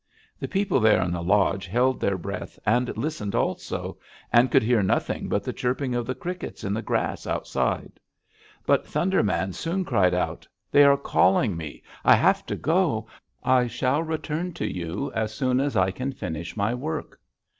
The people there in the lodge held their breath and listened also, and could hear nothing but the chirping of the crickets in the grass outside. But Thunder Man soon cried out: 'They are calling me! I have to go! I shall return to you as soon as I can finish my work!'